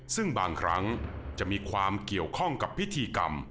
ซึ่งบางครั้งจะมีความเกี่ยวข้องกับพิธีกรรม